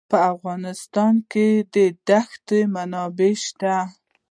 په افغانستان کې د دښتې منابع شته.